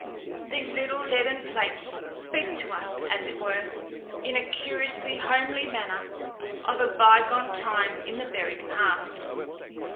These little leaden plates speak to us, as it were, in a curiously homely manner of a by gone time in the buried past.